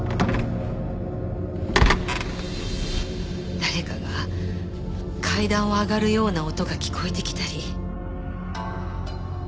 誰かが階段を上がるような音が聞こえてきたり。